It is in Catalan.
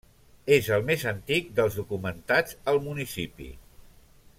És el més antic dels documentats al municipi.